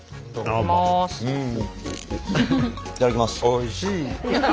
おいしい！